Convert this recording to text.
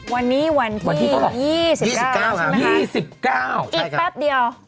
วันนี้วันที่ยี่สิบเก้าใช่ไหมครับยี่สิบเก้าใช่ครับอีกปั๊บเดียว